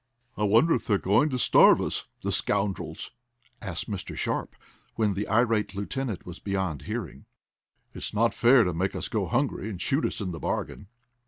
"I wonder if they're going to starve us, the scoundrels?" asked Mr. Sharp, when the irate lieutenant was beyond hearing. "It's not fair to make us go hungry and shoot us in the bargain."